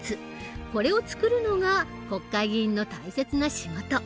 これを作るのが国会議員の大切な仕事。